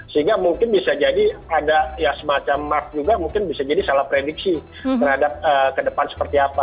sehingga mungkin bisa jadi ada ya semacam mark juga mungkin bisa jadi salah prediksi terhadap ke depan seperti apa